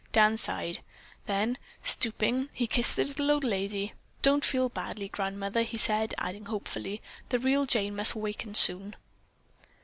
Dan sighed. Then, stooping, he kissed the little old lady. "Don't feel badly, grandmother," he said, adding hopefully: "The real Jane must waken soon."